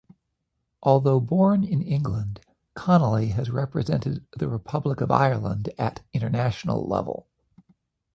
Although born in England, Connolly has represented the Republic of Ireland at international level.